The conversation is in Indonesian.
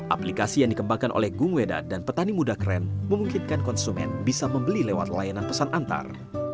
aplikasi yang dikembangkan oleh gung weda dan petani muda keren memungkinkan konsumen bisa membeli lewat layanan pesan antar